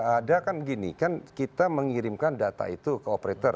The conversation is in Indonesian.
ada kan gini kan kita mengirimkan data itu ke operator